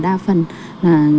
đa phần là